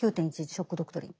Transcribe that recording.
ショック・ドクトリン」。